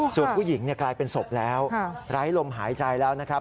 ส่วนผู้หญิงกลายเป็นศพแล้วไร้ลมหายใจแล้วนะครับ